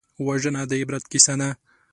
وژنه د عبرت کیسه ده